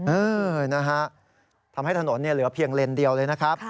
เออนะฮะทำให้ถนนเหลือเพียงเลนเดียวเลยนะครับ